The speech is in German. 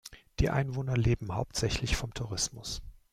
Die Einwohner leben hauptsächlich vom Tourismus.